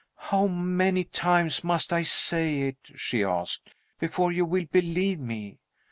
"How many times must I say it," she asked, "before you will believe me?